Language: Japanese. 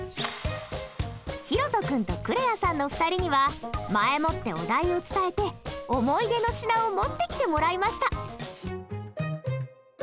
ひろと君とくれあさんの２人には前もってお題を伝えて思い出の品を持ってきてもらいました。